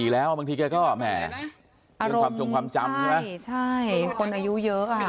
๘๔แล้วบางทีแกก็แหม่อารมณ์ใช่ใช่คนอายุเยอะค่ะ